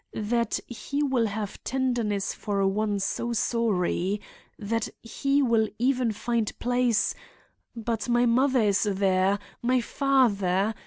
That He will have tenderness for one so sorry—that He will even find place— But my mother is there! my father!